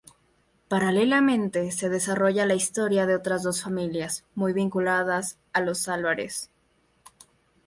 Paralelamente se desarrolla la historia de otras dos familias, muy vinculadas a los Álvarez.